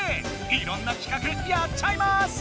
いろんな企画やっちゃいます！